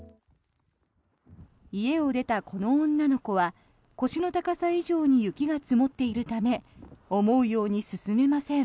家を出たこの女の子は腰の高さ以上に雪が積もっているため思うように進めません。